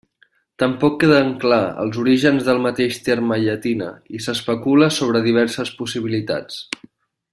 Tampoc queden clars els orígens del mateix terme llatina i s'especula sobre diverses possibilitats.